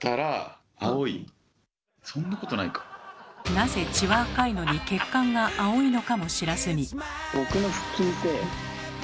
なぜ血は赤いのに血管が青いのかも知らずに。